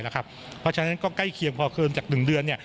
เพราะฉะนั้นก็ใกล้เคียงพอเกินจาก๑เดือน